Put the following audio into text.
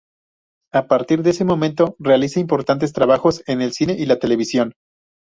A partir de ese momento realiza importantes trabajos en el cine y la televisión.